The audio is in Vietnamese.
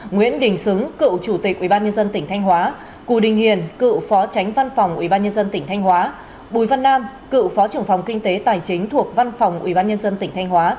nguyễn đình xứng cựu chủ tịch ubnd tỉnh thanh hóa cù đình hiền cựu phó tránh văn phòng ubnd tỉnh thanh hóa bùi văn nam cựu phó trưởng phòng kinh tế tài chính thuộc văn phòng ubnd tỉnh thanh hóa